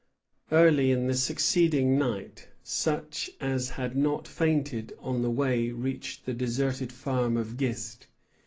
Early in the succeeding night, such as had not fainted on the way reached the deserted farm of Gist.